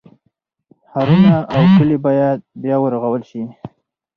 ښارونه او کلي باید بیا ورغول شي.